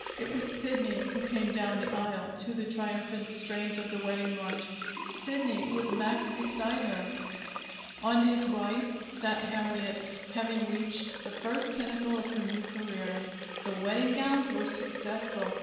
It was Sidney who came down the aisle to the triumphant strains of the wedding march, Sidney with Max beside her! On his right sat Harriet, having reached the first pinnacle of her new career. The wedding gowns were successful.